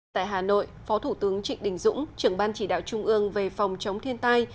tại hà nội phó thủ tướng trịnh đình dũng trưởng ban chỉ đạo trung ương về phòng chống thiên tai